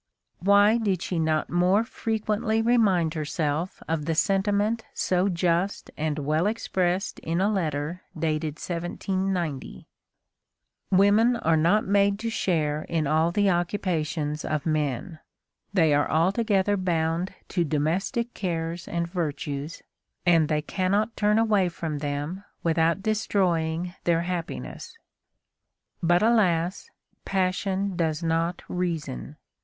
Why did she not more frequently remind herself of the sentiment so just and well expressed in a letter dated in 1790: "Women are not made to share in all the occupations of men: they are altogether bound to domestic cares and virtues, and they cannot turn away from them without destroying their happiness." But, alas! passion does not reason.